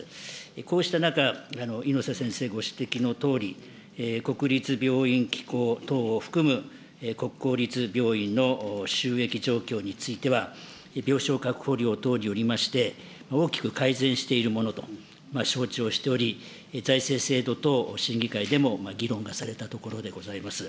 こうした中、猪瀬先生ご指摘のとおり、国立病院機構等を含む国公立病院の収益状況については、病床確保料等によりまして、大きく改善しているものと承知をしており、財政制度等審議会でも議論がされたところでございます。